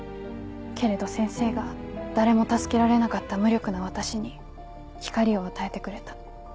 けれど先生が誰も助けられなかった無力な私に光を与えてくれた。